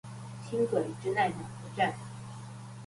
輕軌真愛碼頭站